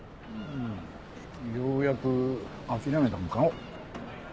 うんようやく諦めたんかの。